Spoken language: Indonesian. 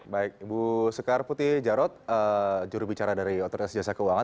baik ibu sekar putih jarod jurubicara dari otoritas jasa keuangan